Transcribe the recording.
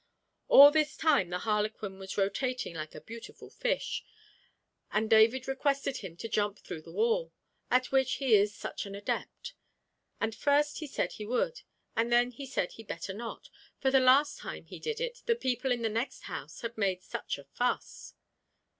All this time the harlequin was rotating like a beautiful fish, and David requested him to jump through the wall, at which he is such an adept, and first he said he would, and then he said better not, for the last time he did it the people in the next house had made such a fuss.